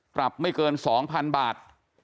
ปรับไม่เกิน๒๐๐๐บาท